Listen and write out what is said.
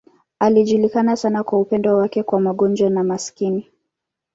Alijulikana sana kwa upendo wake kwa wagonjwa na maskini.